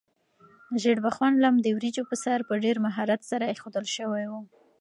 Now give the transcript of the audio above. ژیړبخون لم د وریجو په سر په ډېر مهارت سره ایښودل شوی و.